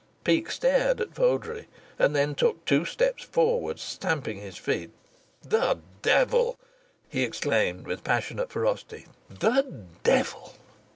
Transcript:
Peake stared at Vodrey, and then took two steps forward, stamping his feet. "The devil!" he exclaimed, with passionate ferocity. "The devil!"